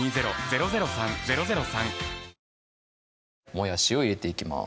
もやしを入れていきます